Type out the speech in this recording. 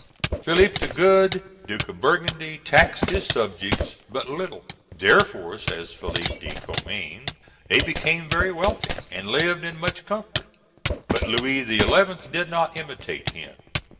] Philip the Good, Duke of Burgundy, taxed his subjects but little: "Therefore," says Philippe de Commines, "they became very wealthy, and lived in much comfort." But Louis XI did not imitate him.